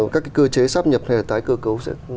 các cái cơ chế sắp nhập hay là tái cơ cấu sẽ